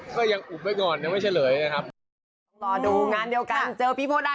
เพราะว่ากลัวไว้แล้วเล่นกับน้องเฟิร์นนบกีฬา